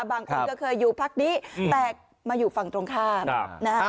บางคนก็เคยอยู่พักนี้แต่มาอยู่ฝั่งตรงข้ามนะฮะ